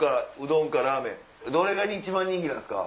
どれが一番人気なんですか？